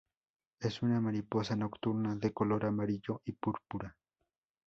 Es una mariposa nocturna de color amarillo y púrpura.